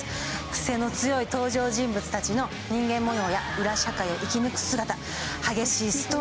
クセの強い登場人物たちの人間模様や裏社会を生き抜く姿。